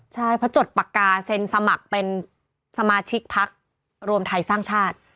ใช่เพราะจดปากกาเซ็นสมัครเป็นสมาชิกพักรวมไทยสร้างชาติ